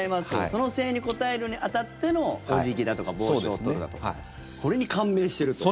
その声援に応えるに当たってのお辞儀だとか帽子を取るだとかそれに感銘している。